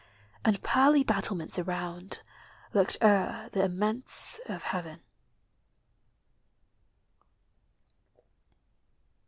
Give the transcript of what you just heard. And pearly battlements around Looked o'er the immense of heaven.